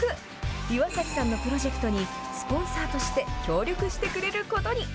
岩崎さんのプロジェクトに、スポンサーとして協力してくれることに。